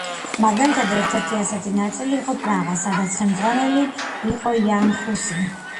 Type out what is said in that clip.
მაგალითად, ერთ-ერთი ასეთი ნაწილი იყო პრაღა, სადაც ხელმძღვანელი იყო იან ჰუსი.